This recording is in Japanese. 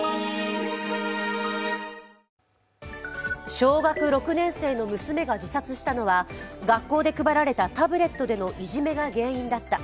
小学６年生の娘が自殺したのは学校で配られたタブレットでのいじめが原因だった。